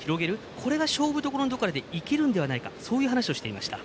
これが勝負どころで生きるのではないかという話していました。